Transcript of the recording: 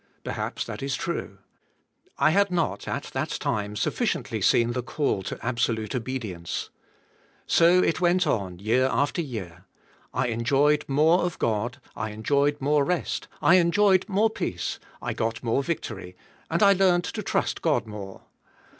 " Perhaps that is true. I had not, at that time, sufficiently seen the call to absolute obedience. So it went on, year after year. I enjoyed more of God, I enjoyed more rest, I en joyed more peace, I g"ot more victory, and I learned to trust God more.